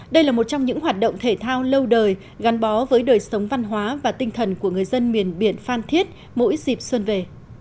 đây là một trong những hoạt động thể thao lâu đời gắn bó với đời sống văn hóa và tinh thần của người dân miền biển phan thiết mỗi dịp xuân về